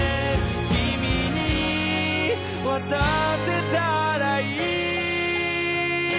「君に渡せたらいい」